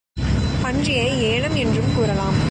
பன்றியை ஏனம் என்றும் கூறலாம்.